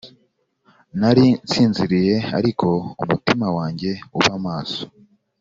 Nari nsinziriye Ariko umutima wanjye uba maso